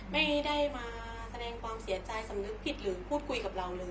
ไม่ได้มาแสดงความเสียใจสำนึกผิดหรือพูดคุยกับเราเลย